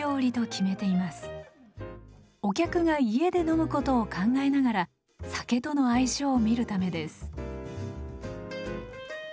お客が家で飲むことを考えながら酒との相性を見るためです。